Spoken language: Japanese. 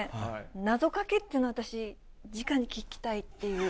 なぞかけっていうの、私、じかに聞きたいっていう。